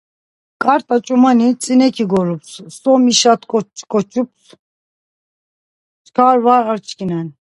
Ǩarta ç̌umani tzineǩi gorups, so mişat̆ǩoçups çkar var açkinen.